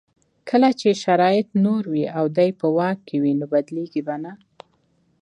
کله چې شرایط نور وي او دی په واک کې وي بدلېږي به نه.